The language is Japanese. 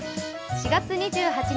４月２８日